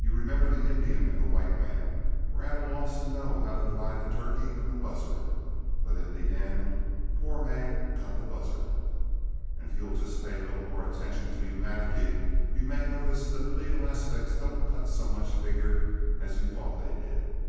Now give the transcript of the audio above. You remember the Indian and the white man were at a loss to know how to divide the turkey and the buzzard, but in the end poor man got the buzzard. And if you'll just pay a little more attention to humanity, you may notice that the legal aspects don't cut so much figure as you thought they did.